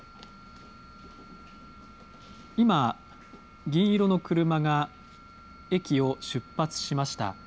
今、銀色の車が駅を出発しました。